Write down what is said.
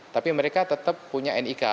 tapi mereka tetap punya nik